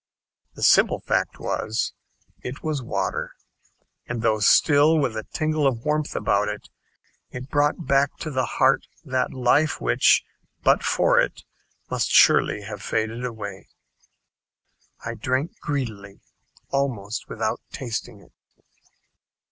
The simple fact was it was water; and, though still with a tingle of warmth about it, it brought back to the heart, that life which, but for it, must surely have faded away. I drank greedily, almost without tasting it.